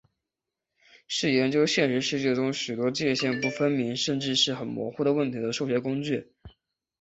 是研究现实世界中许多界限不分明甚至是很模糊的问题的数学工具。